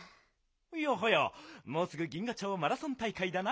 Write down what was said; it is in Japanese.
いやはやもうすぐ銀河町マラソン大会だな。